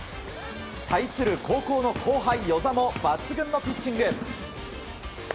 対する高校の後輩、與座も抜群のピッチング。